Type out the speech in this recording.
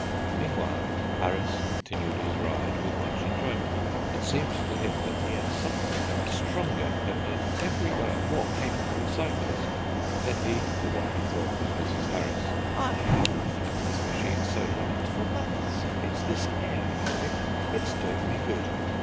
Meanwhile, Harris continued his ride with much enjoyment. It seemed to him that he had suddenly become a stronger, and in every way a more capable cyclist. Said he to what he thought was Mrs. Harris: "I haven't felt this machine so light for months. It's this air, I think; it's doing me good."